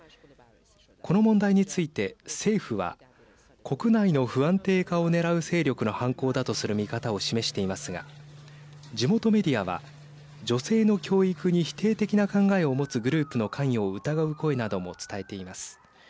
この問題について政府は国内の不安定化をねらう勢力の犯行だとする見方を示していますが地元メディアは女性の教育に否定的な考えを持つグループの関与を疑う声なども伝えています。